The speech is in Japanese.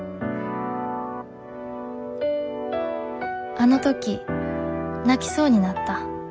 あの時泣きそうになった。